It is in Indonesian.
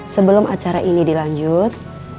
sebelum acara ini dilanjut